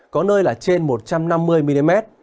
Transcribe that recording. có nơi là trên một trăm năm mươi mm